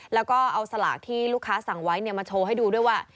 แล้วก็เอาสลากที่ลูกค้าสั่งไว้มาโชว์ให้ดูด้วยว่า